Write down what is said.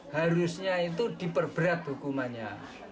harusnya itu diperberat hukumannya